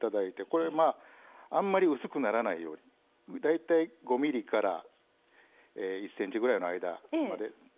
あんまり薄くならないように大体５ｍｍから１ｃｍぐらいの間。